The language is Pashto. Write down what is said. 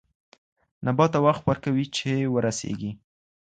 نبات ته وخت ورکوي چې ورسېږي.